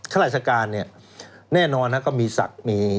ข้าราชการเนี่ยแน่นอนนะก็มีศักดิ์มี